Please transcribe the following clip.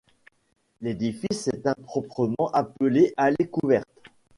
L'édifice est improprement appelé allée couverte.